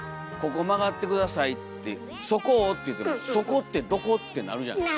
ここ曲がって下さいっていう「そこを」って言うても「そこってどこ？」ってなるじゃない。